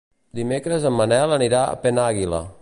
Dimecres en Manel anirà a Penàguila.